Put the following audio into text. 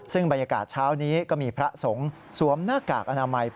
ซึ่งบรรยากาศเช้านี้ก็มีพระสงฆ์